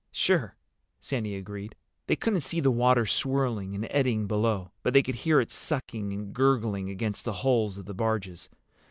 "Sure," Sandy agreed. They couldn't see the water, swirling and eddying below, but they could hear it sucking and gurgling against the hulls of the barges.